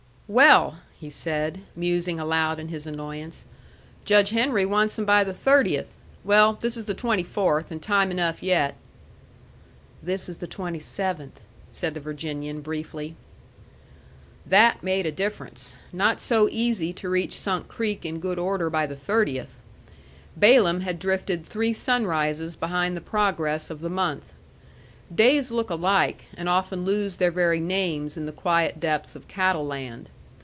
"Well," he said, musing aloud in his annoyance, "Judge Henry wants them by the 30th. Well, this is the 24th, and time enough yet." "This is the 27th," said the Virginian, briefly. That made a difference! Not so easy to reach Sunk Creek in good order by the 30th! Balaam had drifted three sunrises behind the progress of the month. Days look alike, and often lose their very names in the quiet depths of Cattle Land.